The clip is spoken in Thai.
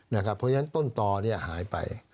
นะครับเพราะฉะนั้นต้นตอเนี่ยหายไป